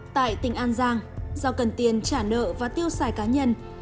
tại tỉnh an giang do cần tiền trả nợ và tiêu xài cá nhân